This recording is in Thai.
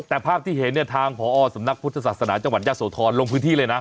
แต่ภาพที่เห็นเนี่ยทางพอสำนักพุทธศาสนาจังหวัดยะโสธรลงพื้นที่เลยนะ